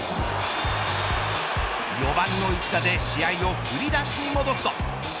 ４番の一打で試合を振り出しに戻すと。